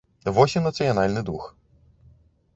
Вось і нацыянальны дух.